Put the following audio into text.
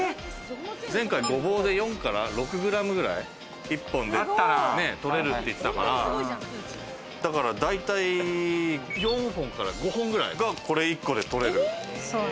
前回、ゴボウで４から６グラムぐらい一本で取れるっていってたから、だいたい４本から５本ぐらいが、これ１個で取れる。